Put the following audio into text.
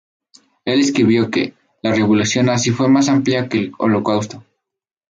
Él escribió que:La revolución nazi fue más amplia que el Holocausto.